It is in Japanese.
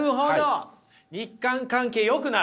日韓関係よくなる。